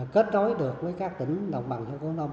kết nối được với các tỉnh đồng bằng sông củ lâm